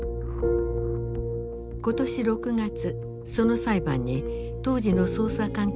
今年６月その裁判に当時の捜査関係者が出廷。